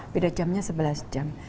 beda jamnya sebelas jam